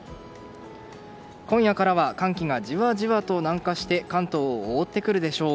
今夜からは寒気がじわじわと南下して関東を覆ってくるでしょう。